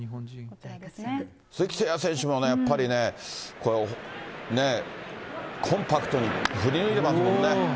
鈴木誠也選手もね、やっぱりね、これ、コンパクトに振り抜いてますもんね。